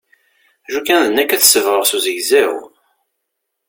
Lukan d nekk ad t-sebɣeɣ s uzegzaw.